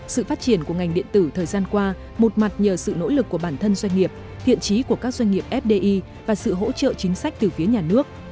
sự phát triển của ngành điện tử thời gian qua một mặt nhờ sự nỗ lực của bản thân doanh nghiệp thiện trí của các doanh nghiệp fdi và sự hỗ trợ chính sách từ phía nhà nước